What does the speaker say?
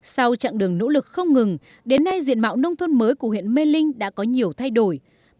sau chặng đường nỗ lực không ngừng đến nay diện mạo nông thôn mới của huyện mê linh đã có nhiều thay đổi